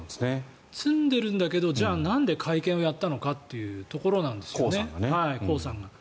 詰んでいるんだけどじゃあ、なんで会見をやったのかというところですコウさんが。